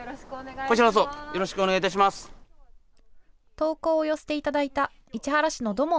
投稿を寄せていただいた市原市の土門